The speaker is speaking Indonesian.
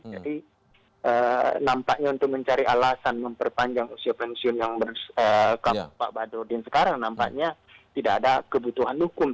jadi nampaknya untuk mencari alasan memperpanjang usia pensiun yang berkampung pak badrodin sekarang nampaknya tidak ada kebutuhan hukum